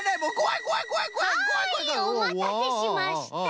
はいおまたせしました！